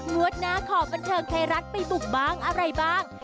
งวดหน้าขอบันเทิงไทยรัฐไปบุกบ้างอะไรบ้าง